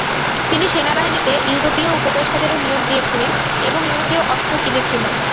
তিনি সেনাবাহিনীতে ইউরোপীয় উপদেষ্টাদেরও নিয়োগ দিয়েছিলেন এবং ইউরোপীয় অস্ত্র কিনেছিলেন।